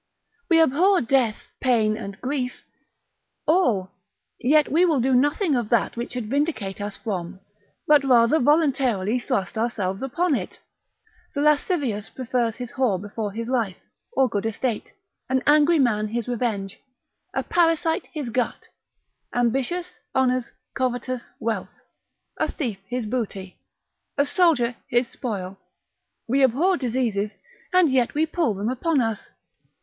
We abhor death, pain, and grief, all, yet we will do nothing of that which should vindicate us from, but rather voluntarily thrust ourselves upon it. The lascivious prefers his whore before his life, or good estate; an angry man his revenge: a parasite his gut; ambitious, honours; covetous, wealth; a thief his booty; a soldier his spoil; we abhor diseases, and yet we pull them upon us.